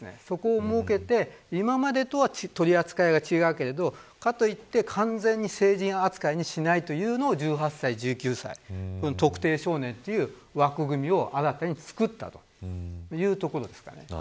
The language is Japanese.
そこを設けて、今までとは取り扱いが違うけれどかといって、完全に成人扱いにしないというのを１８歳、１９歳特定少年という枠組みを新たに作ったというところですかね。